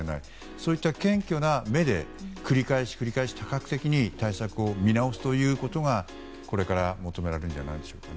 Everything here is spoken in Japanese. そういった謙虚な目で繰り返し繰り返し多角的に対策を見直すことがこれから求められるんじゃないでしょうか。